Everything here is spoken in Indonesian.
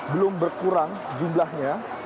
belum berkurang jumlahnya